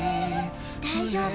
大丈夫。